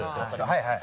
はいはい。